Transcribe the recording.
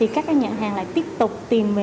các nhãn hàng lại tiếp tục tìm về